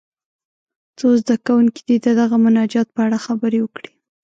څو زده کوونکي دې د دغه مناجات په اړه خبرې وکړي.